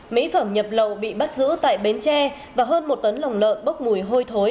mỹ phẩm nhập lậu bị bắt giữ tại bến tre và hơn một tấn lòng lợn bốc mùi hôi thối